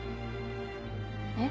えっ？